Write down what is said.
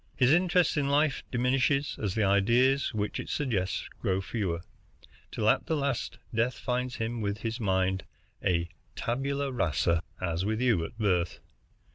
His interest in life diminishes as the ideas which it suggests grow fewer, till at the last death finds him with his mind a tabula rasa, as with you at birth.